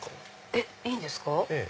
えっいいんですか。